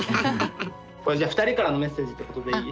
これじゃあ２人からのメッセージってことでいい？